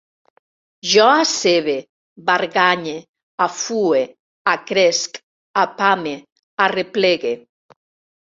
Jo aceve, barganye, afue, acresc, apame, arreplegue